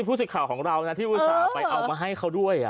สิทธิ์ข่าวของเรานะที่อุตส่าห์ไปเอามาให้เขาด้วย